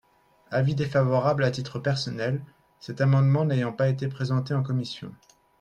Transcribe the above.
Avis défavorable à titre personnel, cet amendement n’ayant pas été présenté en commission.